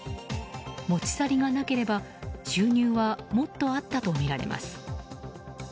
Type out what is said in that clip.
持ち去りがなければ収入はもっとあったとみられます。